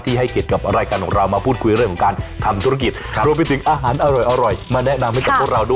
ที่ให้ถีดกับรายการของเรามาพูดคุยเรื่องของการทำธุรกิจ